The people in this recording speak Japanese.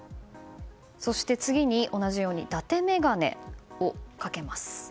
そして、次に同じようにだて眼鏡をかけます。